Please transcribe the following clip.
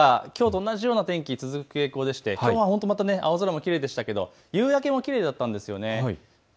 天気はきょうと同じような天気が続く傾向で、きょうは青空、きれいでしたけれども夕焼けもきれいだったんです。